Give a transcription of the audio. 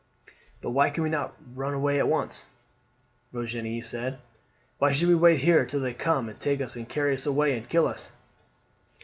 "But why can we not run away at once?" Virginie said. "Why should we wait here till they come and take us and carry us away and kill us?"